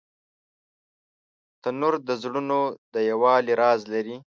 تنور د زړونو د یووالي راز لري